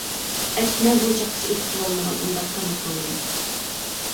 -ئەتمە بۇ چاغقىچە ئېتىپ بولالمىغان ئۇنداق تامىقىڭنى.